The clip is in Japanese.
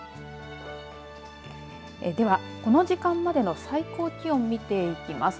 では、この時間までの最高気温見ていきます。